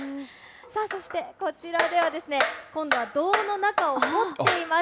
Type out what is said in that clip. さあそしてこちらでは、今度は胴の中を彫っています。